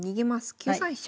９三飛車。